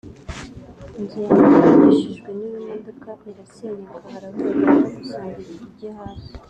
inzu yanjye yatigishijwe n’ibimodoka irasenyuka harabura gato gusa ngo ijye hasi